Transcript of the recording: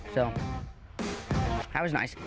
jadi itu bagus